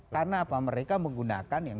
karena apa mereka menggunakan yang